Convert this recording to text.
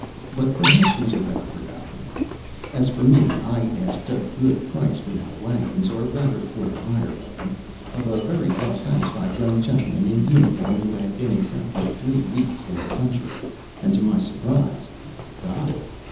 But perhaps these are better forgotten. As for me, I asked a good price for my wagons, or rather for the hire of them, of a very well satisfied young gentleman in uniform who had been exactly three weeks in the country, and to my surprise, got it.